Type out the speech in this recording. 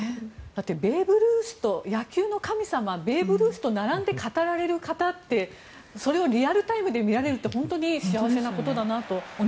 ベーブ・ルース野球の神様と並んで語られる方ってリアルタイムで見られるって本当に幸せなことだなと。